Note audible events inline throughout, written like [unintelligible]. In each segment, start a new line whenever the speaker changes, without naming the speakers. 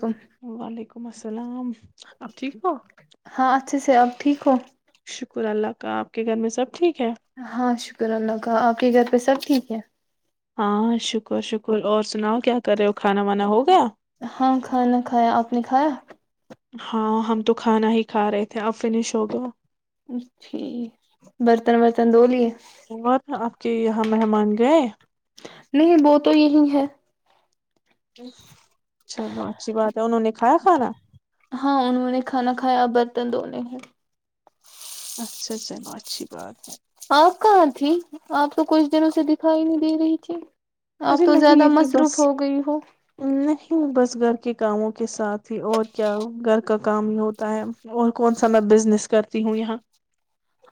وعلیکم
وعلیکم السلام آپ ٹھیک ہو
ہاں اچھے سے اپ ٹھیک ہو
شکر اللہ کا آپ کے گھر میں سب ٹھیک ہے
ہاں شکر اللہ آپ کے گھر پہ سب ٹھیک ا [inaudible]
ہاں شکر شکر اور سناؤ کیا کر رہے ہو کھانا وانا ہوگیا
ہاں کھانا کھایا آپ نے کھایا
ہاں ہم تو کھانا ہی کھا رہے تھے اب فنش ہو گیا
اچی برتن برتن د لیے
اپ کے یہاں مہمان گے
نہیں وہ تو یہی ہے
ا [unintelligible]
ہاں انہوں نے کھانا کھایا برتن دون ہیں
اچھا چلو اچھی بات ہے
آپ کہاں تھی آپ تو کچھ دنوں سے دکھائی نہیں دے رہی تھی آپ
ارے
تو
نہیں
زیادہ
یہی
مصروف
بس
ہو گئی ہو
نہیں بس گھر کے کاموں کے ساتھ ہی اور کیا گھر کا کام ہی ہوتا ہے اور کون سا میں بزنس کرتی ہوں یہاں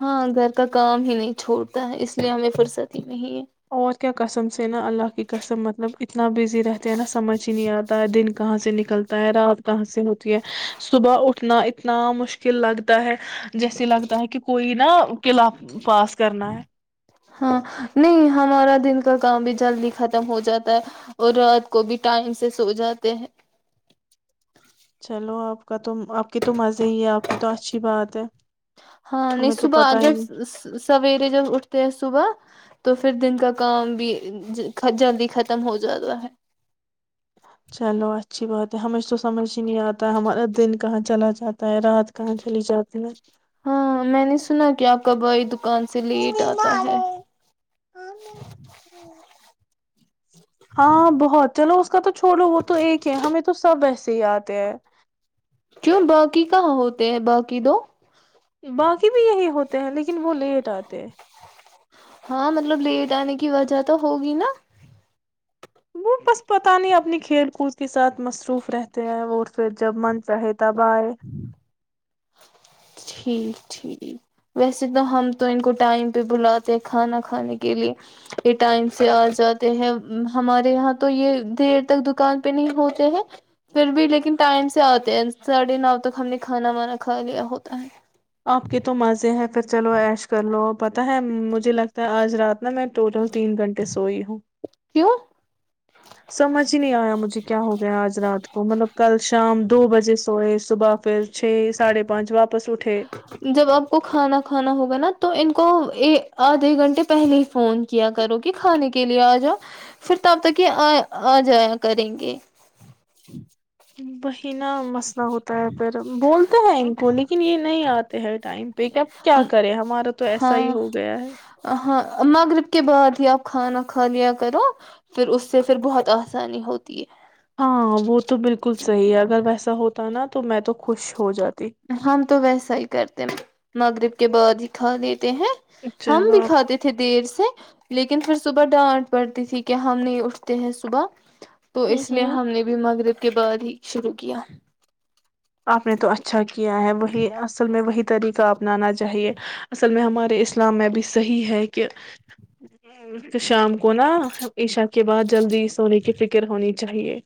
ہاں گھر کا کام ہی نہیں چھوڑتا ہے اس لیے ہمیں فرصت نہیں ہے
اور کیا قسم سے نا اللہ کی قسم مطلب اتنا بزی رہتے ہیں نا سمجھ ہی نہیں آتا ہے دن کہاں سے نکلتا ہے رات کہاں سے ہوتی ہے صبح اٹھنا اتنا مشکل لگتا ہے جیسے لگتا ہے کہ کوئی ن قلعہ پاس کرنا ہے
ہاں نہیں ہمارا دن کا کام بھی جلدی ختم ہو جاتا ہے اور رات کو بھی ٹائم سے سو جاتے ہیں
چلو آپ کا تو آپ کی تو مزے ہی ہے آپ کی تو اچھی بات ہے
ہاں نہیں
ہمیں تو
صبح
پتا ہی
جب
نہیں
سویرے جب اٹھتے ہیں صبح تو پھر دن کا کام بھی جلدی ختم ہو جاتا ہے
چلو اچھی بات ہے ہمیش تو سمجھ نہیں آتا ہمارا دن کہاں چلا جاتا ہے رات کہاں چلی جاتتی میں
ہاں میں نے سنا کیا آپ کبھائی دکان سے لیٹ آتا ہے
ہاں بہت چلو اس کا تو چھوڑو وہ تو ایک ہے ہمیں تو سب وسے سی آتے ہیں
کیوں باقی کہاں ہوتے ہیں باقی دو
باقی بھی یہی ہوتے ہیں لیکن وہ لیٹ آتے [inaudible]
ہاں مطلب لیٹ آنے کی وجہ تو ہوگی نا
وہ بس پت نہیں اپنی کھیل کود کے ساتھ مصروف رہتے ہیں اور پھر جب من چاہے تو تب ائے
ٹھیک ٹھیک ویسے تو ہم تو ان کو ٹائم پہ بلاتے ہیں کھانا کھانے کے لیے یہ ٹائم سے آ جاتے ہیں ہمارے یہاں تو یہ دیر تک دکان پہ نہیں ہوتے ہیں پھر بھی لیکن ٹائم سے آتے ہیں س ے ن تک ہم نے کھانا وانا کھا لیا ہوتا ہے
آپ کے تو مزے ہیں پھر چلو ایش کر لو پتاہ ہے مجھے لگتا ہے آج رات نا میں ٹوٹل تین گھنٹے سوئی ہوں
کیوں
سمجھ ہی نہیں آیا مجھے کیا ہو گیا آج رات کو مطلب کل شام دو بجے سوئے صبح پھر چھ ساڑھے پانچ واپس اٹھے
جب آپ کو کھانا کھانا ہوگا نا تو ان کو آدھے گھنٹے پہلے ہی فون کیا کرو کہ کھانے کے لیے آ جاؤ پھر تب تک یہ آ جایا کریں گے
وحی نہ مسئلہ ہوتا ہے پھر بولتے ہیں ان کو لیکن یہ نہیں آتا تو ہے ٹائم بیکب کیا کریں ہمارا تو ایسا ہی
ہاں
ہو گیا ہے
ہاں مغرب کے بعد ہی آپ کھانا کھا لیا کرو پھر اس سے پھر بہت آسانی ہوتی ہے
ہاں وہ تو بالکل صحیح ہے اگر ویسا ہوتا نا تو میں تو خوش ہو جاتا
ہم تو ویسا ہی کرتے نغر کے بعد ہی کھانے ہیں ہم
چلو
بھی
آپ
کھاتے تھے دیر سے لیکن پھر صبح ڈانٹ پڑتی تھی کہ ہم نہیں اٹھتے ہیں صبح تو
ہوں
اس لیے
ہوں
ہم نے بھی مغرب کے بعد ہی شروع کیا
آپ نے تو اچھا کیا کیا ہے وہی اصل میں وہی طریقہ اپنانا چاہیے اصل میں ہمارے اسلام میں بھی صحیح ہے کہ شام کو [inaudible] کے بعد جلدی سونے کی فکر ہونی چاہیے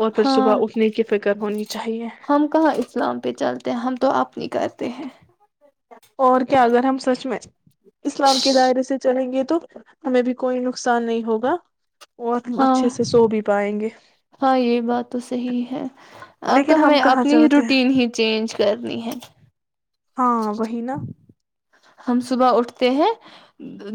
اور پھر
ہاں
صبح اٹھنے کی فکر ہونی چاہیے
ہم کہاں اسلام پہ چلتے ہیں ہم تو اپنی کرتے ہیں
اور کیا اگر ہم سچ میں اسلام کے دائرے سے چلیں گے تو تو ہمیں بھی کوئی نقصان نہیں ہوگا اور
ہاں
اچھے سے سو بھی پائیں گے
ہاں یہی بات تو صحی ہے اب تو
لیکن ہم
ہمیں
کہاں
اپنی ہی
چلتے ہیں
روٹین ہی چینج کرنی ہے
ہاں وہی نا
ہم صبح اٹھتے ہیں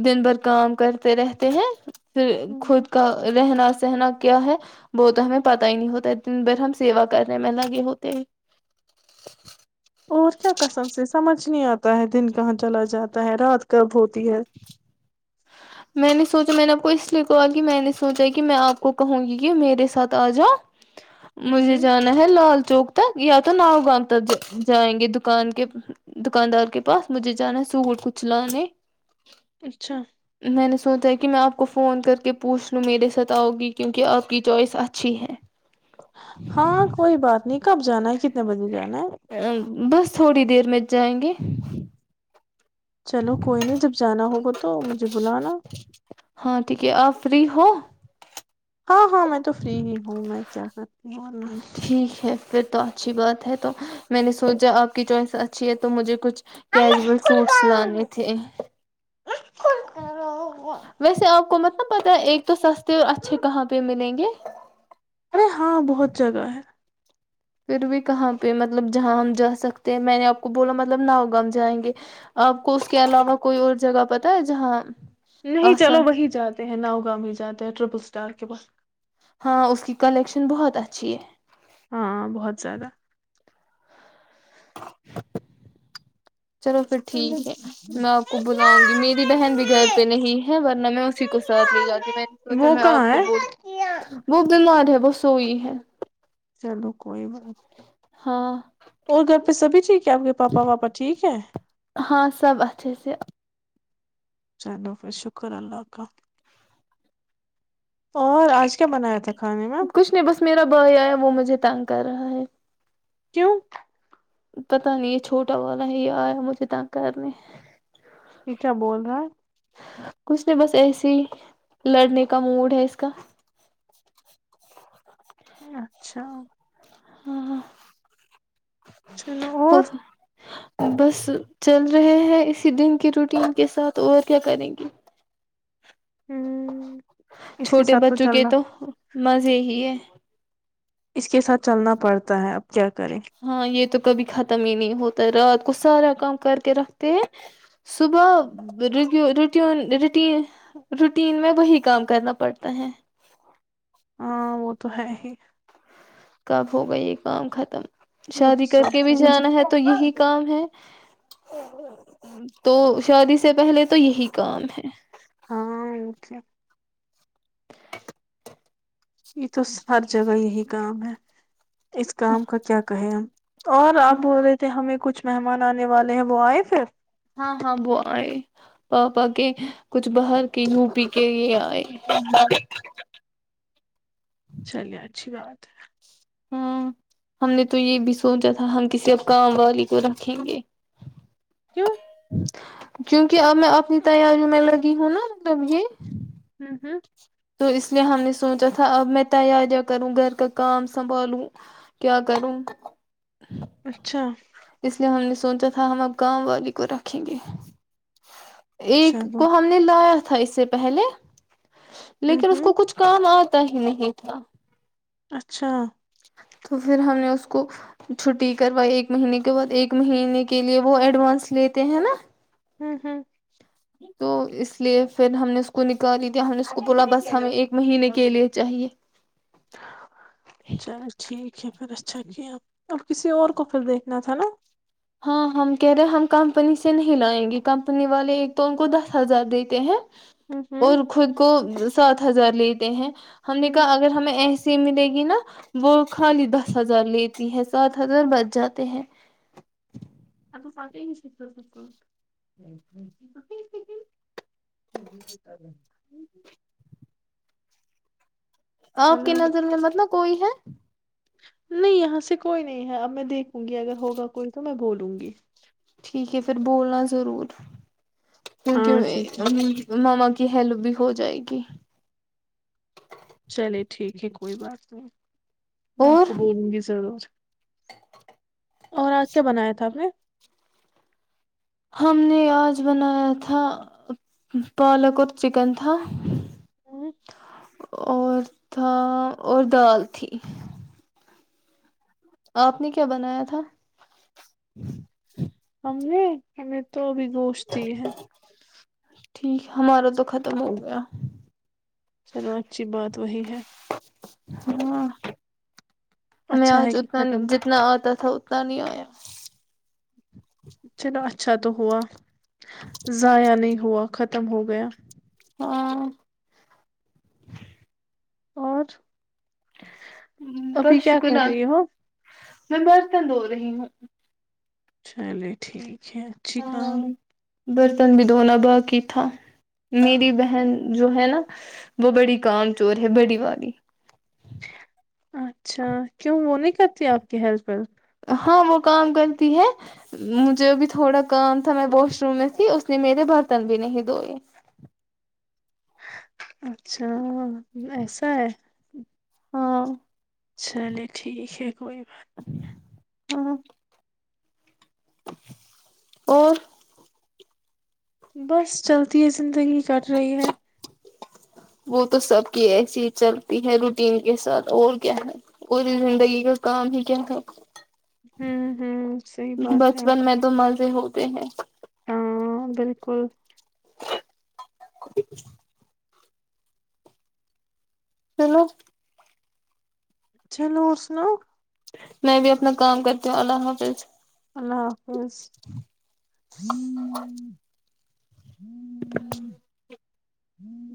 دن بھر کام کرتے رہتے ہیں پھر خود کا رہنا سہنا کیا ہے وہ تو ہمیں پت ہی نہیں ہوتا ہے دن بھر ہم سیوا کرنے میں لگے ہوتے ہیں
اور کیا کسم سے سمجھ نہیں آتا ہے دن کہاں چلا جاتا ہے رات کا بھت تی ہے
میں نے سوچا میں نے آپ کو اس لیے کہا کہ میں نے سوچا کہ میں آپ کو کہوں گی کہ میرے ساتھ آ جاؤ
ہوں
مجھے
ہوں
جانا ہے لال چوک ت یا تو ناؤ گام تک جائیں گے دکان کے دکاندار کے پاس مجھے جانا ہے سوٹ کچھ لانے
اچھا
سوتا ہے کہ میں آپ کو فون کر کے پوچھ لوں میرے ساتھ آؤں گی کیونکہ آپ کی چوائس اچھی ہے
ہاں کوئی بات نہیں کب جانا ہے کتنے بجے جانا ہے
ا بس تھوڑی دیر میں جائیں گے
چلو کوئی نہیں جب جانا ہوگا تو تو مجھے بلانا
ہاں ٹھیک ہے آپ فری ہو
ہاں ہاں میں تو فری ہی ہوں میں کیا کرتی ہوں
ٹھیک ہے پھر تو اچھی بات ہے تو میں نے سوچا آپ کی چوائس اچھی ہے تو مجھے کچھ کیجول سوٹس لانے تھے
و [inaudible]
ویسے آپ کو مت پتا ایک تو سستے اور اچھے کہاں پہ ملیں گے
ارے ہاں بہت جگہ ہے
پھر بھی کہاں پہ مطلب جہاں ہم جا سکتے ہیں میں نے آپ کو بولا مطلب ناؤگام جائیں گے آپ کو اس کے علاوہ کوئی اور جگہ پتاہ ہے جہاں
نہیں چلو
آسان
وہی جاتے ہیں ناؤگام مے جاتے ہیں ٹرپل اسٹار کے پاس
ہاں اس کی کلیکشن بہت اچھی ہے
ہاں بہت زیادہ
چلو پھر ٹھیک ہے میں آپ کو بلاؤں گی میری بہن بھی گھر پہ نہیں ہے ورنہ میں اسی کو ساتھ لے جاتی ہ میں نے سوچا
وہ
میں
کہاں
آپ کو
ہے
بول ب بیمار ہے وہ سوئی ہے
چلو کوئی بات نہیں
ہاں
اور گھر پہ سبھی ٹھیک کیا آپ کے پاپا واپا ٹھیک ہے
ہاں سب اچھے سے
چلو پھر شکر اللہ کا اور آج کیا منایا تھا کھانے میں
کچھ نہیں بس میرا بھائی آیا وہ مجھے تنگ کر رہا ہے
کیوں
پتا نہیں یہ چھوٹا والا ہے یہ آیا مجھے ت کرنے
یہ کیا بول رہا ہے
کچھ نہی بس ایسے ہی لڑنے کا موڈ ہے اس کا
اچھا
ہاں ہاں
چلو اور
بس چل رہے ہیں اسی دن کی روٹین کے ساتھ اور کیا کریں گی
ہ اس کے
چھوٹے
ساتھ
بچوں کے
چلنا
تو مزے ہی ہے
اس کے ساتھ چلنا پڑتا ہے کیا کریں
ہاں یہ تو کبھی ختم ہی نہیں ہوتا ہے رات کو سارا کام کر کے رکھتے ہیں صبح رین روٹین میں وہی کام کرنا پڑتا ہے
ہاں وہ تو ہے ہی
کب ہو گئی یہ کام ختم
وہ تو
شادی کر کے بھی جانا ہے تو
سب
یہی کام ہے تو شادی سے پہلے تو یہی کام ہے
ہاں کیا یہ تو ہر جگہ یہی کام ہے اس کام کا کیا کہیں اور آپ بول رہے تھے ہمیں کچھ مہمان آنے والے ہیں وہ آئے پھر
ہاں ہاں وہ آئے پاپا کے کچھ باہر کے یو پی کے آئے
چلیے اچھی بات ہے
ہاں ہم نے تو یہ بھی سوچا تھا ہم کسی اب کام والی کو رکھیں گے
کیوں
کیونکہ اب میں اپنی تیاریوں میں لگی ہوں نا مطلب یہ
ہمم ہمم
تو اس لیے ہم نے سوچا تھا اب میں تیاریاں کروں گھر کا کام سنبھالوں کیا کروں
اچھا
اس لیے ہم نے سوچا تھا ہم اب کام والی کو رکھیں گے ایک
چلو
کو ہم نے لایا تھا تھا اس سے پہلے
ہوں
لیکن اس کو
ہوں
کچھ کام آتا آتا ہی نہیں تھا
اچھا
تو پھر ہم نے اس کو چھٹی کروائی ایک مہینے کے بعد ایک مہینے کے لیے وہ ایڈوانس لیتے ہیں نا
ہاں ہاں
تو اس لیے پھر ہم نے اس کو نکالی دیا ہم نے اس کو بولا بس ہمیں ایک مہینے کے لیے چاہیے
چلو ٹھیک ہے پھر اچھا اب کسی اور کو پھر دیکھنا تھا نا
ہاں ہم کہہ رہے ہیں ہم کمپنی سے نہیں لائیں گے کمپنی والے ایک تو ان کو دس ہزار دیتے ہیں
ہوں ہوں
اور خود کو سات ہزار لی ہیں ہم نے
ہوں
کہا اگر ہمیں ایسے ملے گی نا وہ خالی دس ہزار لیتی ہے سات ہزار بچ جاتے ہیں
س ہی شک س
آپ کے نظر میں مطلب کوئی ہے
نہیں یہاں سے کوئی نہیں ہے اب میں دیکھوں گی اگر ہوگا کوئی تو میں بولوں گی
ٹھیک ہے پھر بولنا ضرور
ہاں ٹھیک ہے
کیونکہ ماما کی ہیلپ بھی ہو جائے گی
چلے ٹھیک ہے کوئی بات نہیں میں آپ کو
اور
بولوں گی ضرور اور آج کیا بنایا تھا ہم نے
ہم نے آج بنایا تھا پالک اور چکن تھا
ہ
اور تھا اور دال تھی آپ نے کیا بنایا تھا
ہم ہمیں تو گوشتی ہے
ٹھیک ہمارا تو ختم ہو گیا
چلو اچھی بات وہی ہے
ہاں ہمیں
اچھا
آج
ہے کہ
اتنا
ختم
جتنا آتا تھا اتنا نہیں آیا [inaudible]
چلو اچھا تو ہوا ضائع نہیں ہوا ختم ہو گیا
ہاں
اور ابھی
بس
کیا
شکر
کر رہی ہو
میں برتن دو رہی ہوں
چلیے ٹھیک کھیت چ کا
ہاں برتن بھی دھونا باقی تھا میری بہن جو ہے نا وہ بڑی کام چور ہے بڑی والی
اچھا کیوں وہ نہیں کرتی آپ کی ہیلپ
ہاں وہ کام کرتی ہے مجھے بھی تھوڑا کام تھا میں واش روم میں تھی اس نے میرے برتن بھی نہیں دھوئے
اچھا ایسا ہے
ہاں
چلے ٹھیک ہے کوئی بات نہیں
ہاں اور
بس چلتی ہے زندگی چٹ رہی ہے
وہ تو سب کی ایسی ہی چلتی ہے روٹین کے ساتھ اور کیا ہے پوری زندگی کا کام ہی کیا ہے
ہوں ہوں صحی بات ہے
بچپن میں تو مزے ہوتے ہیں
ہاں بالکل
[inaudible] سلو
چلو اور سناؤ
میں بھی اپنا کام کرتی ہوں اللہ حافظ
اللہ حافظ ہ ہوں
[inaudible]
ہوں